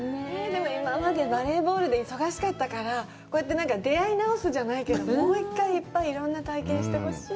でも、今までバレーボールで忙しかったから、こうやって出会い直すじゃないけど、もう一回、いっぱいいろんな体験をしてほしい。